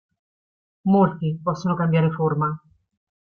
Molti possono cambiare forma.